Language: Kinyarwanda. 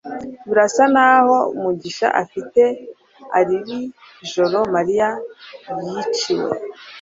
birasa nkaho mugisha afite alibi ijoro mariya yiciwe